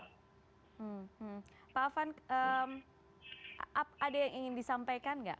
hmm pak afan ada yang ingin disampaikan nggak